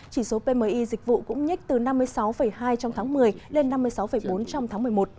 chỉ số pmi dịch vụ cũng nhích từ năm mươi sáu hai trong tháng một mươi lên năm mươi sáu bốn trong tháng một mươi một